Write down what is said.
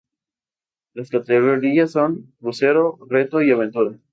Las categorías son: Crucero, Reto y Aventura.